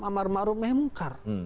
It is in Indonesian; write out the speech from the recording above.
amar marum memukar